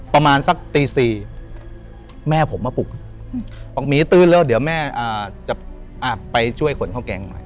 ประมาณสักตี๔แม่ผมมาปลุกบอกหมีตื่นเร็วเดี๋ยวแม่จะไปช่วยขนข้าวแกงหน่อย